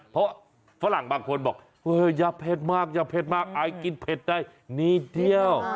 เพราะฝรั่งบางคนบอกอย่าเผ็ดมากอย่าเผ็ดมากอายกินเผ็ดได้นิดเดียว